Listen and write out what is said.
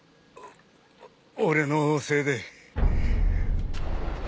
俺のせいで。